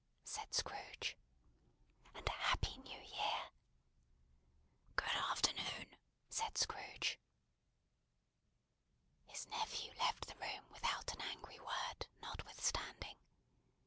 said Scrooge. "And A Happy New Year!" "Good afternoon!" said Scrooge. His nephew left the room without an angry word, notwithstanding.